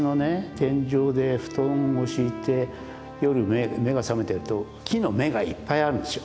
天井で布団を敷いて夜目が覚めてると木の目がいっぱいあるんですよ。